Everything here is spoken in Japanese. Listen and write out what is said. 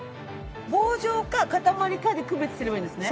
棒状か固まりかで区別すればいいんですね。